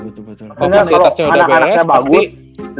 kalau anak anaknya bagus